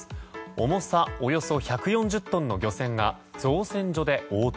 重さおよそ１４０トンの漁船が造船所で横転。